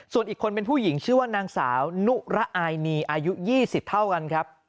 ส่วนอีกคนเป็นผู้หญิงชื่อว่านางสาวนุระอายนีอายุ๒๐เท่ากันครับ